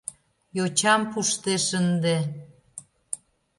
Йочам пуштеш ынде...